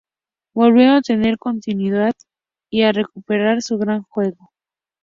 Volviendo a tener continuidad y a recuperar su gran juego.